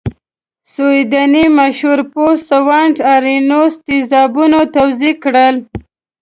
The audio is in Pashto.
سویډنۍ مشهور پوه سوانت ارینوس تیزابونه توضیح کړل.